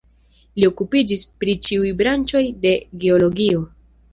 Li okupiĝis pri ĉiuj branĉoj de geologio.